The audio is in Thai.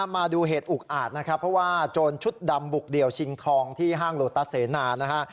มาดูเหตุอุกอาจนะครับเพราะว่าโจรชุดดำบุกเดี่ยวชิงทองที่ห้างโลตัสเสนานะฮะ